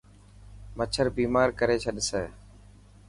مڇر بيمار ڪري ڇڏسي.